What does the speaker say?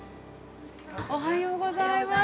おはようございます。